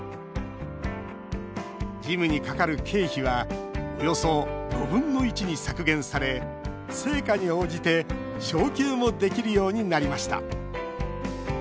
事務にかかる経費はおよそ５分の１に削減され成果に応じて昇給もできるようになりました。